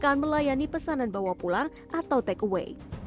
laksanaan melayani pesanan bawa pulang atau take away